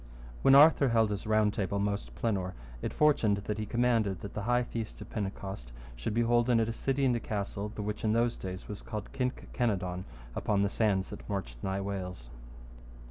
When Arthur held his Round Table most plenour, it fortuned that he commanded that the high feast of Pentecost should be holden at a city and a castle, the which in those days was called Kynke Kenadonne, upon the sands that marched nigh Wales.